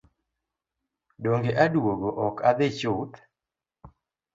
Donge aduogo ok adhi chuth.